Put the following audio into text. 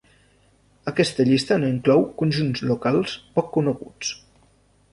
Aquesta llista no inclou conjunts locals poc coneguts.